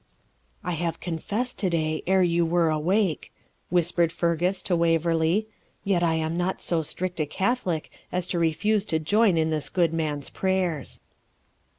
'I have confessed to day, ere you were awake,' whispered Fergus to Waverley; 'yet I am not so strict a Catholic as to refuse to join in this good man's prayers.'